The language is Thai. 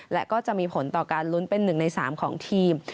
และก็จะมีผลต่อการลุ้นเป็น๑ใน๓ของทีม